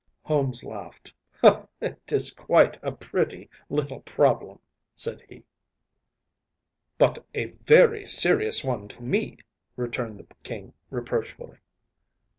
‚ÄĚ Holmes laughed. “It is quite a pretty little problem,‚ÄĚ said he. “But a very serious one to me,‚ÄĚ returned the King reproachfully.